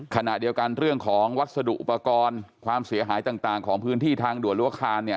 ขณะเดียวกันเรื่องของวัสดุอุปกรณ์ความเสียหายต่างของพื้นที่ทางด่วนรั้วคานเนี่ย